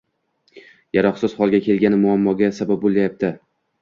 Yaroqsiz holga kelgani muammoga sabab boʻlyapti